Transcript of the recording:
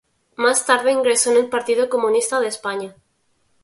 Más tarde ingresó en el Partido Comunista de España.